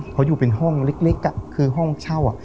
เขาอยู่เป็นห้องเล็กคือห้องเช่า